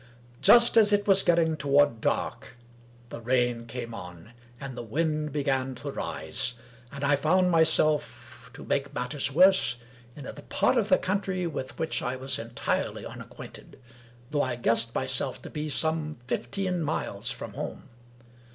Just as it was getting toward dark, the rain came on and the wind began to rise; and I found myself, to make matters worse, in a part of the country with which I was entirely unacquainted, though I guessed myself to be some fifteen miles from home.